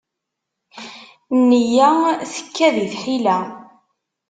Nneyya tekka di tḥila.